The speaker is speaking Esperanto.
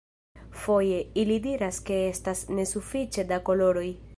Foje, ili diras ke estas nesufiĉe da koloroj.